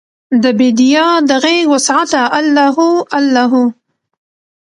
دبیدیا د غیږوسعته الله هو، الله هو